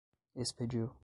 expediu